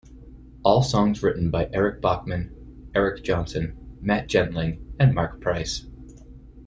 All songs written by Eric Bachmann, Eric Johnson, Matt Gentling and Mark Price.